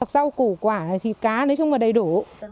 rau củ quả thịt cá nói chung là đầy đủ